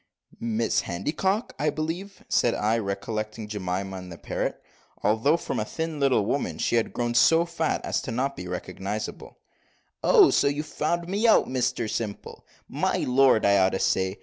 '" "Mrs Handycock, I believe," said I, recollecting Jemima and the parrot, although, from a little thin woman, she had grown so fat as not to be recognisable. "Oh! so you've found me out, Mr Simple my lord, I ought to say.